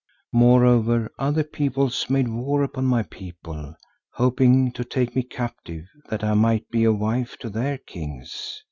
Moreover other peoples made war upon my people, hoping to take me captive that I might be a wife to their kings.